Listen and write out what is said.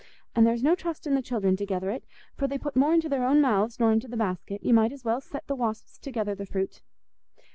An' there's no trustin' the children to gether it, for they put more into their own mouths nor into the basket; you might as well set the wasps to gether the fruit."